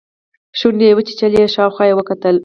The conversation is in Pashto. شونډې يې وچيچلې شاوخوا يې وکتل.